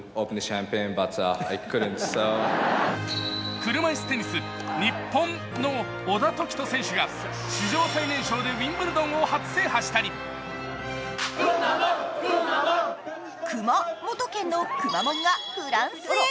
車いすテニス、日本の小田凱人選手が史上最年少でウィンブルドンを初制覇したり熊本県のくまモンがフランスへ。